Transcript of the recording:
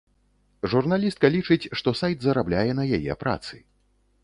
Журналістка лічыць, што сайт зарабляе на яе працы.